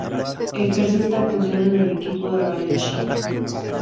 Ejerce esta función en el equipo RadioShack.